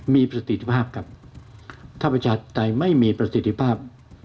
มีประสิทธิภาพครับถ้าประชาธิปไตยไม่มีประสิทธิภาพ